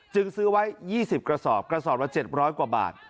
ซื้อไว้๒๐กระสอบกระสอบละ๗๐๐กว่าบาท